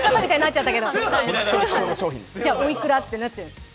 では、おいくらってなっちゃう？